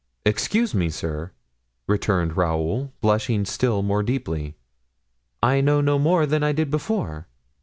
"Excuse me, sir," returned Raoul, blushing still more deeply, "I know no more than I did before.